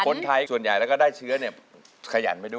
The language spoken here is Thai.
คนไทยส่วนใหญ่แล้วก็ได้เชื้อขยันไปด้วย